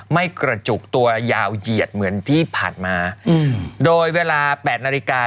ไม่กระจุกตัวยาวเหยียดเหมือนที่ผ่านมาอืมโดยเวลาแปดนาฬิกา